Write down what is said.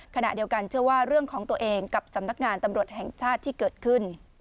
เชื่อว่าเรื่องของตัวเองกับสำนักงานตำรวจแห่งชาติที่เกิดขึ้น